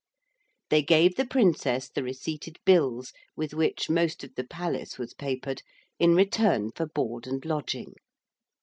They gave the Princess the receipted bills, with which most of the palace was papered, in return for board and lodging.